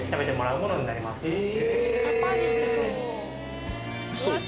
え！